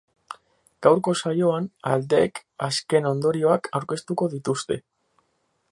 Gaurko saioan, aldeek azken ondorioak aurkeztuko dituzte.